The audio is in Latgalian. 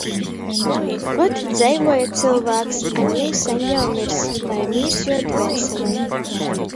Vot dzeivuoja cylvāks, a niu jau seņ mirs, lai mīrs juo dvēselei.